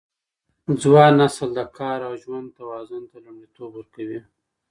ځوان نسل د کار او ژوند توازن ته لومړیتوب ورکوي.